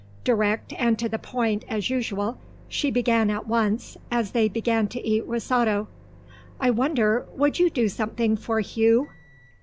Direct and to the point, as usual, she began at once, as they began to eat risotto, "I wonder would you do something for Hugh?"